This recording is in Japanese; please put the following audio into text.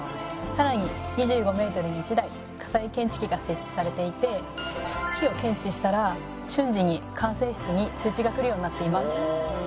さらに２５メートルに１台火災検知器が設置されていて火を検知したら瞬時に管制室に通知が来るようになっています。